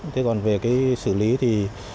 thế còn về cái xử lý thì